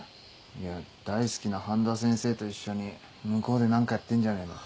いや大好きな半田先生と一緒に向こうで何かやってんじゃねえの。